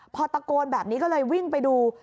พอตะโกนแบบนี้ก็เลยวิ่งไปดู